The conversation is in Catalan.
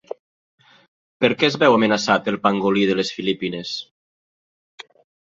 Per què es veu amenaçat el pangolí de les Filipines?